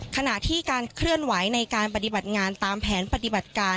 ขณะที่การเคลื่อนไหวในการปฏิบัติงานตามแผนปฏิบัติการ